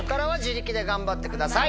で頑張ってください。